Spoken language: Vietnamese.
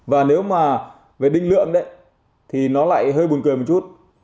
và nếu mà về định lượng đấy thì nó lại hơi buồn cười một chút